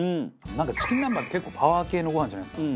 なんかチキン南蛮って結構パワー系のごはんじゃないですか。